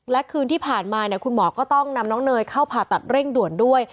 และคืนที่ผ่านมาคุณหมอก็ต้องนำน้องเนยเข้าผ่าตัดเร่งด่วนด้วย